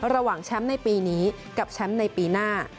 ระหว่างแชมป์ในปีนี้กับแชมป์ในปีหน้า